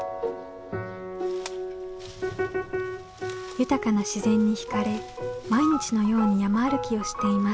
豊かな自然に惹かれ毎日のように山歩きをしています。